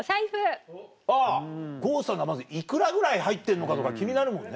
郷さんがまずいくらぐらい入ってるのかとか気になるもんね。